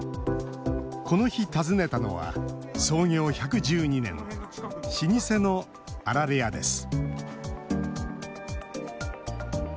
この日、訪ねたのは創業１１２年老舗のあられ屋です。